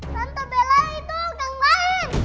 tante bella itu yang lain